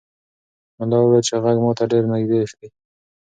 ملا وویل چې غږ ماته ډېر نږدې دی.